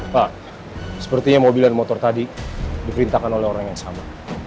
pak sepertinya mobil dan motor tadi diperintahkan oleh orang yang sama